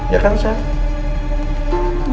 ya kan sam